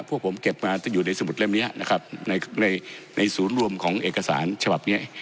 พวกผมเก็บมาจะอยู่ในสมุดเล่มนี้นะครับในในศูนย์รวมของเอกสารฉบับเนี้ย